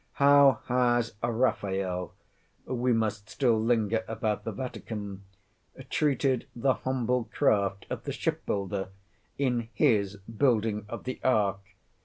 How has Raphael—we must still linger about the Vatican—treated the humble craft of the ship builder, in his "Building of the Ark?"